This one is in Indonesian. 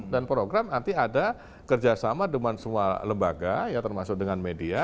dan program nanti ada kerjasama dengan semua lembaga ya termasuk dengan media